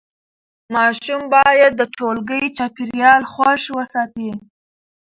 ماشوم باید د ټولګي چاپېریال خوښ وساتي.